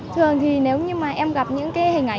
thường thì nếu như mà em gặp những cái hình ảnh